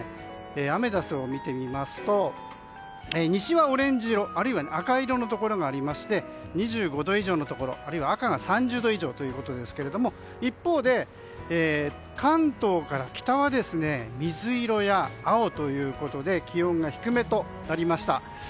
アメダスを見てみますと西はオレンジ色、あるいは赤色のところがありまして２５度以上のところあるいは赤が３０度以上ということですが一方で、関東から北は水色や青ということで気温が低めとなりました。